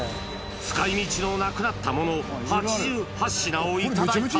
使いみちのなくなったもの８８品を頂いた。